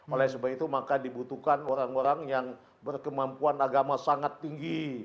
oleh sebab itu maka dibutuhkan orang orang yang berkemampuan agama sangat tinggi